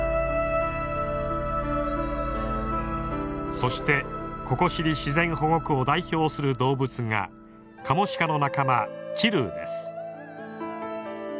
そしてココシリ自然保護区を代表する動物がカモシカの仲間チルーです。